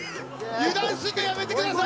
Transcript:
油断するのやめてください。